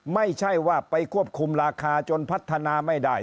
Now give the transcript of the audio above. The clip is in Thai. ไม่ใช่ว่าไปควบคุมราคาจนพัฒนาไม่ได้